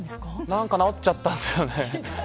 何か治っちゃったんですよね。